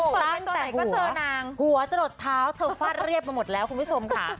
ตั้งแต่หัวหัวตรดเท้าเธอฟาดเรียบมาหมดแล้วคุณผู้ชมค่ะ